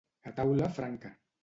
A taula franca.